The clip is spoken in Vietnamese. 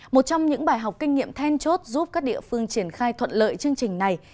một trong những bài học kinh nghiệm then chốt giúp các địa phương triển khai thuận lợi chương trình này